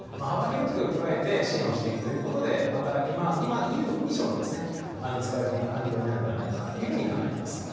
幅広く捉えて支援をしていくということで今以上にですね使われていく環境になるんではないかなというふうに考えています。